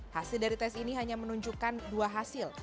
hasil dari tes ini hanya menunjukkan dua hasil